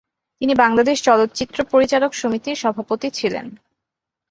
তিনি বাংলাদেশ চলচ্চিত্র পরিচালক সমিতির সভাপতি ছিলেন।